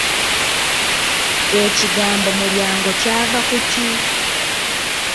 Ekigambo mulyango kyava ku ki?